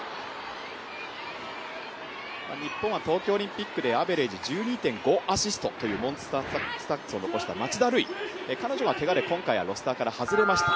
日本は東京オリンピックでアベレージ１５アシストというスタッツを残した町田瑠唯、彼女は、けがで今回ロースターから外れました。